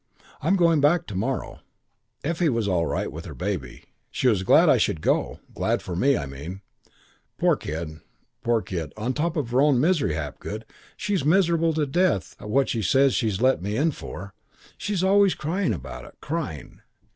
I'm going back to morrow. Effie was all right with her baby. She was glad I should go glad for me, I mean. Poor kid, poor kid. Top of her own misery, Hapgood, she's miserable to death at what she says she's let me in for. She's always crying about it. Crying.